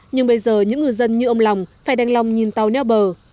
nhưng bây giờ những ngư dân như ông lòng phải đành lòng nhìn tàu neo bờ